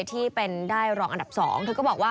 ที่เป็นได้รองอันดับ๒เธอก็บอกว่า